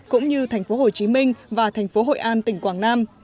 cũng như thành phố hồ chí minh và thành phố hội an tỉnh quảng nam